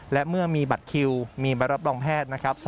และเมื่อมีบัตรคิวมีใบรับรองแพทย์นะครับ